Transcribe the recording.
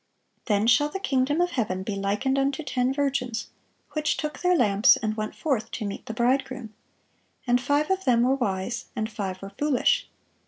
"Then shall the kingdom of heaven be likened unto ten virgins, which took their lamps, and went forth to meet the bridegroom. And five of them were wise, and five were foolish.